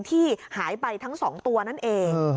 ที่หายไปทั้ง๒ตัวนั่นเอง